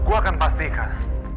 gue akan pastikan